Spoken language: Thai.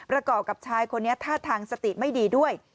ก่อกับชายคนนี้ท่าทางสติไม่ดีด้วย